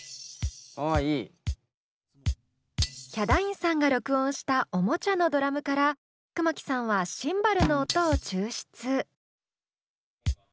ヒャダインさんが録音したおもちゃのドラムから熊木さんはシンバルの音を抽出。